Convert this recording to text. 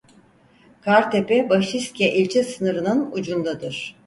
Kartepe-Başiske ilçe sınırının ucundadır.